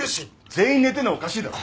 全員寝てるのはおかしいだろ。